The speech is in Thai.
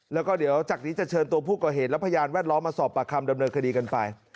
แล้วก็เดี๋ยวจากนี้จะเชิญตัวผู้ก่อเหตุและพยานแวดล้อมมาสอบปากคำดำเนินคดีกันไป